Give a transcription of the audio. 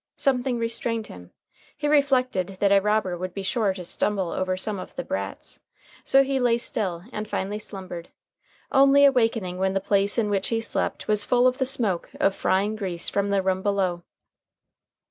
Something restrained him. He reflected that a robber would be sure to stumble over some of the "brats." So he lay still and finally slumbered, only awakening when the place in which he slept was full of the smoke of frying grease from the room below.